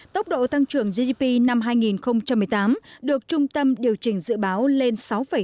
tốc độ tăng trưởng gdp năm hai nghìn một mươi tám được trung tâm điều chỉnh dự báo lên sáu bảy